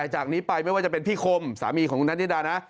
จะเป็นพี่โคมสามีของคุณนัทธิดานะ